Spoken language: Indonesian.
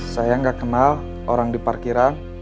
saya nggak kenal orang di parkiran